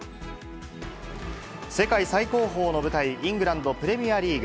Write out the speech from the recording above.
世界最高峰の舞台、イングランドプレミアリーグ。